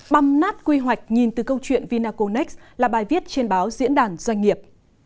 băm nát quy hoạch nhìn từ câu chuyện vinaconex là bài viết trên báo diễn đàn doanh nghiệp